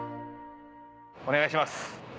お願いします。